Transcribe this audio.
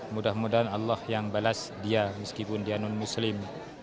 mudah mudahan allah yang balas dia meskipun dia non muslim